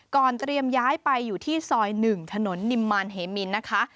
เตรียมย้ายไปอยู่ที่ซอย๑ถนนนิมมารเหมินนะคะ